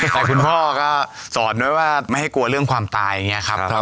แต่คุณพ่อก็สอนไว้ว่าไม่ให้กลัวเรื่องความตายอย่างนี้ครับ